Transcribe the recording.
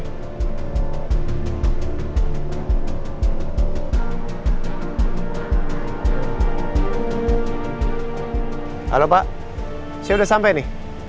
halo pak saya sudah sampai nih